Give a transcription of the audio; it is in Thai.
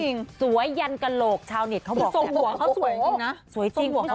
ส่องหัวเขากลมแล้วก็ตุ๋ย